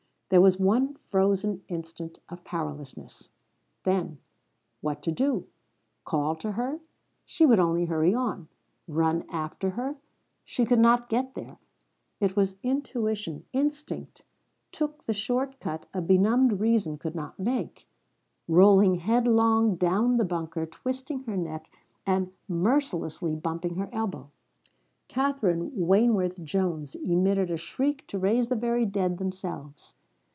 There was one frozen instant of powerlessness. Then what to do? Call to her? She would only hurry on. Run after her? She could not get there. It was intuition instinct took the short cut a benumbed reason could not make; rolling headlong down the bunker, twisting her neck and mercilessly bumping her elbow, Katherine Wayneworth Jones emitted a shriek to raise the very dead themselves.